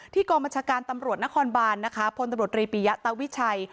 กองบัญชาการตำรวจนครบานนะคะพลตำรวจรีปียะตาวิชัย